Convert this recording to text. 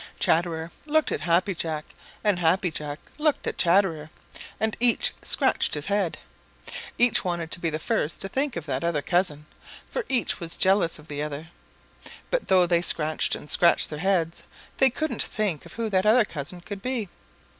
Chatterer looked at Happy Jack, and Happy Jack looked at Chatterer, and each scratched his head. Each wanted to be the first to think of that other cousin, for each was jealous of the other. But though they scratched and scratched their heads, they couldn't think who that other cousin could be.